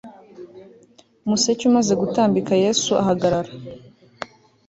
umuseke umaze gutambika yesu ahagarara